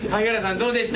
どうでした？